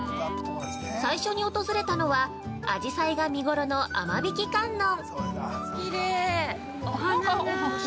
最初に訪れたのはあじさいが見ごろの雨引観音。